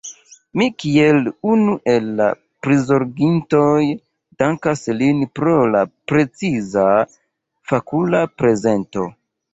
Mi kiel unu el la prizorgintoj dankas lin pro la preciza, fakula prezento.